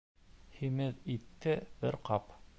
Һимеҙ итте бер ҡап.